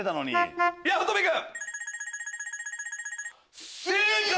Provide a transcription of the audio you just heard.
八乙女君。